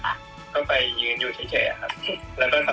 เขาไปยืนอยู่เฉยครับ